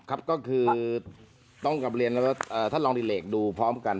ครับก็คือต้องกลับเรียนว่าท่านลองดิเลกดูพร้อมกัน